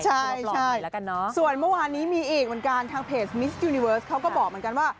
ใช่ส่วนเมื่อวานนี้มีอีกเหมือนกันทางเพจมิสยูนิเวิร์สเขาก็บอกเหมือนกันว่า